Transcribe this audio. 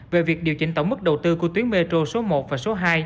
về việc điều chỉnh tổng mức đầu tư của tuyến metro số một và số hai